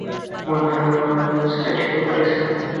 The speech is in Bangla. মনে হয় ওঁরা খুঁজতে শুরু করেছেন।